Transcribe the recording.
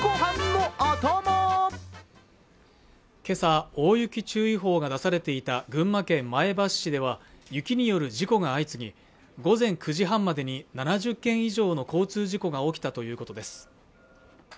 けさ大雪注意報が出されていた群馬県前橋市では雪による事故が相次ぎ午前９時半までに７０件以上の交通事故が起きたということです